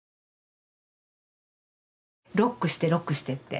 「ロックしてロックして」って。